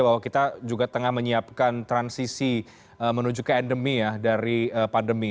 bahwa kita juga tengah menyiapkan transisi menuju ke endemi ya dari pandemi